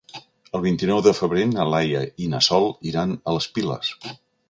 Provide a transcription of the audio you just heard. El vint-i-nou de febrer na Laia i na Sol iran a les Piles.